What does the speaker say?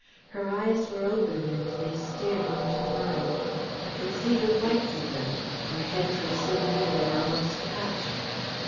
Her eyes were open and they stared into mine. I could see the whites of them; our heads were so near they almost touched.